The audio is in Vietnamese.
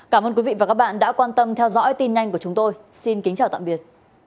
cảm ơn quý vị và các bạn đã quan tâm theo dõi tin nhanh của chúng tôi xin kính chào tạm biệt